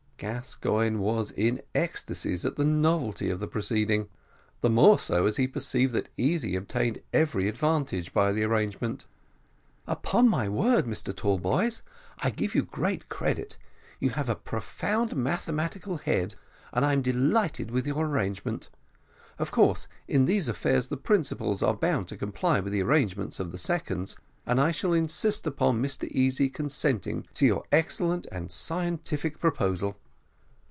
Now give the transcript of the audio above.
Gascoigne was in ecstasies at the novelty of the proceeding, the more so as he perceived that Easy obtained every advantage by the arrangement. "Upon my word, Mr Tallboys, I give you great credit; you have a profound mathematical head, and I am delighted with your arrangement. Of course, in these affairs, the principals are bound to comply with the arrangements of the seconds, and I shall insist upon Mr Easy consenting to your excellent and scientific proposal."